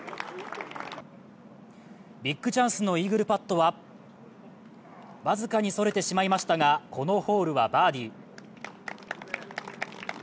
ビッグチャンスのイーグルパットは僅かに逸れてしまいましたが、このホールはバーディー。